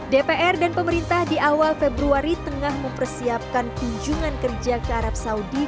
dpr dan pemerintah di awal februari tengah mempersiapkan kunjungan kerja ke arab saudi